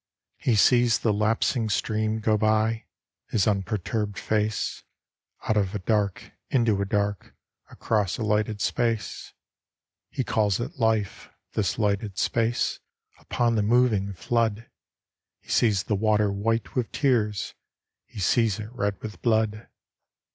He sees the lapsing stream go by His unperturbed face, Out of a dark, into a dark, Across a lighted space. He calls it Life, this lighted space Upon the moving flood. He sees the water white with tears, He sees it red with blood.